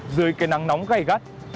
dưới cái nắng nắng